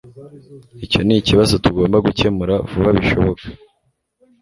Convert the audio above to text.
Icyo nikibazo tugomba gukemura vuba bishoboka